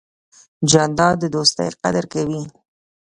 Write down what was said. جانداد د دوستۍ قدر کوي.